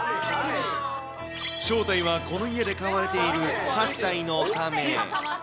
正体はこの家で飼われている８歳の亀。